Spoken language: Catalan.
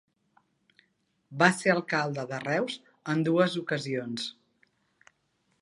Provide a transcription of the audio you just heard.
Va ser alcalde de Reus en dues ocasions.